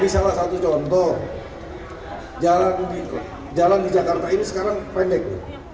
salah satu contoh jalan di jakarta ini sekarang pendek